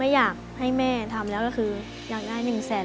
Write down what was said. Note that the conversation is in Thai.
อยากได้๑๐๐๐๐เลยอย่างนั้น